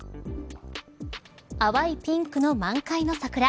淡いピンクの満開の桜。